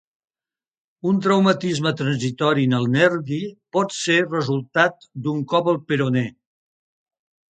Un traumatisme transitori en el nervi pot ser resultat d'un cop al peroné.